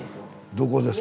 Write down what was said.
どこです？